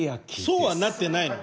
そうはなってないの。